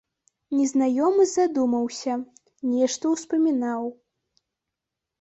Незнаёмы задумаўся, нешта ўспамінаў.